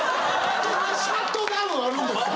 シャットダウンあるんですか？